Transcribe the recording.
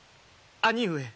兄上。